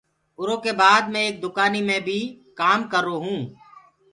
اُرو ڪي بآد مي ايڪ دُڪآنيٚ مي ڀيٚ ڪآم ڪررو هونٚ۔